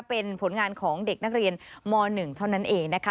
เป็นผลงานของเด็กนักเรียนม๑เท่านั้นเองนะคะ